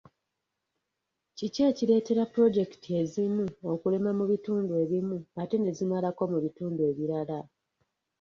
Kiki ekireetera puloojekiti ezimu okulema mu bitundu ebimu ate ne zimalako mu bitundu ebirala?